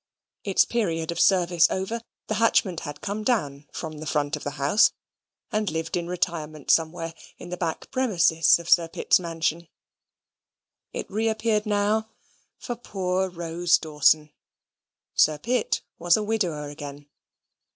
Its period of service over, the hatchment had come down from the front of the house, and lived in retirement somewhere in the back premises of Sir Pitt's mansion. It reappeared now for poor Rose Dawson. Sir Pitt was a widower again.